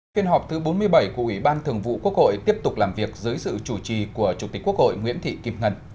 phiên họp thứ bốn mươi bảy của ủy ban thường vụ quốc hội tiếp tục làm việc dưới sự chủ trì của chủ tịch quốc hội nguyễn thị kim ngân